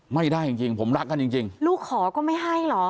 ไม่ได้จริงผมรักกันจริงลูกขอก็ไม่ให้เหรอ